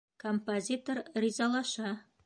Композитор ризалаша.